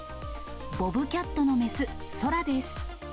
ボブキャットの雌、ソラです。